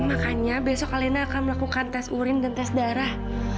makanya besok kalena akan melakukan tes urin dan tes darah